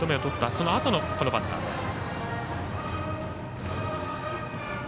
そのあとのバッターです。